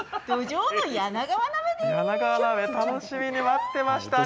柳川鍋楽しみに待ってました。